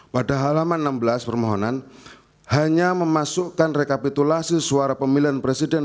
pada halaman enam belas permohonan hanya memasukkan rekapitulasi suara pemilihan presiden